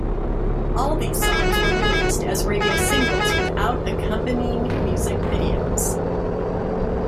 All these songs were released as radio singles without accompanying music videos.